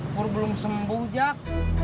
pur belum sembuh jak